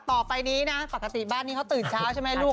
ต่อไปนี้นะปกติบ้านนี้เขาตื่นเช้าใช่ไหมลูก